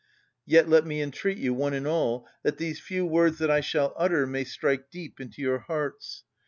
Yet let me entreat you, one and all, that these few words that I shall utter may strike deep into your hearts.